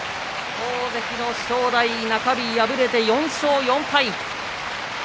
大関の正代、中日に敗れて４勝４敗。